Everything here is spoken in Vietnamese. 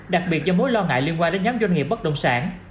đặc biệt do mối lo ngại liên quan đến nhóm doanh nghiệp bất động sản